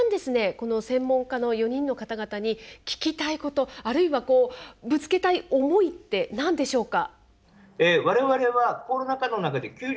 この専門家の４人の方々に聞きたいことあるいはこうぶつけたい思いって何でしょうか。